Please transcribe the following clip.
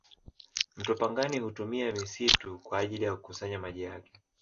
mto pangani hutumia misitu kwa ajili ya kukusanya maji yake